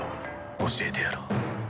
教えてやろう。